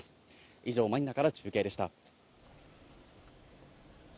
以上、マニラから中継でした。